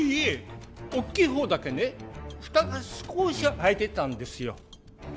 大きい方だけね蓋が少し開いてたんですよ。